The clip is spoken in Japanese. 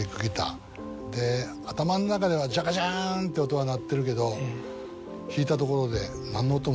頭の中ではジャカジャンって音は鳴ってるけど弾いたところで。